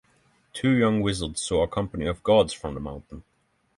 Two young wizards saw a company of gods from the mountain.